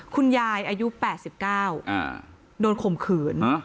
คุณยายอายุ๘๙โดนข่มขืน